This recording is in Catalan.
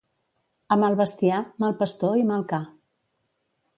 A mal bestiar, mal pastor i mal ca.